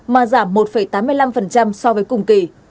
mà giảm một tám mươi năm so với cùng kỳ